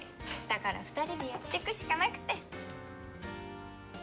だから２人でやっていくしかなくて。